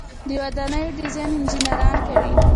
د ودانیو ډیزاین انجنیران کوي